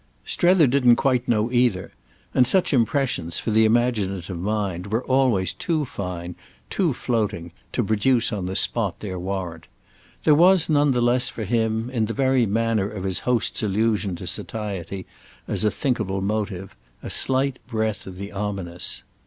Strether didn't quite know either, and such impressions, for the imaginative mind, were always too fine, too floating, to produce on the spot their warrant. There was none the less for him, in the very manner of his host's allusion to satiety as a thinkable motive, a slight breath of the ominous.